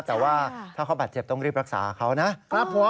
แต่ว่าถ้าเขาบาดเจ็บต้องรีบรักษาเขานะครับ